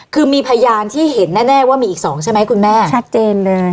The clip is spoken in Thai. คือมีพยานที่เห็นแน่ว่ามีอีกสองใช่ไหมคุณแม่ชัดเจนเลย